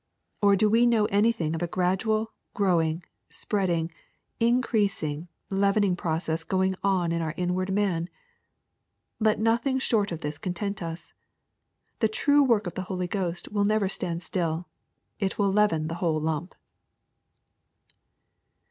Or do we know anything of a gradual, growing, spreading, increasing, leavening process going on in our inward man ? Let nothing short of this content us. The true work of the Holy Ghost will never stand still. It will leaven tha whole lump.